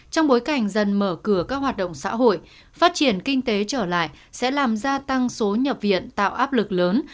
trong bối cảnh dần mở cửa các hoạt động xã hội phát triển kinh tế trở lại sẽ làm gia tăng số nhập viện tạo áp lực lớn